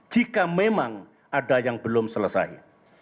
jika memang ada yang belum selesai